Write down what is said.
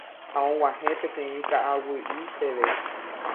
ha og̃uahẽ peteĩ ka'aguy'i peve